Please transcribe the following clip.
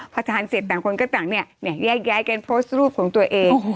พอทานเสร็จต่างคนก็ต่างแยกย้ายกันโพสต์รูปของตัวเอง